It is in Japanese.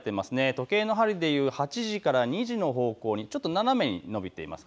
時計の針でいう８時から２時の方向にちょっと斜めに延びています。